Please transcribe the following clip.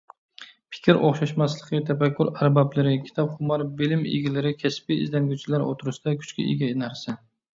پىكىر ئوخشاشماسلىقى تەپەككۇر ئەربابلىرى، كىتاپخۇمار بىلىم ئىگىلىرى، كەسپىي ئىزدەنگۈچىلەر ئوتتۇرسىدا كۈچكە ئىگە نەرسە.